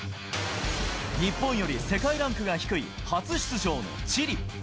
日本より世界ランクが低い初出場のチリ。